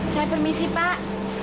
saya permisi pak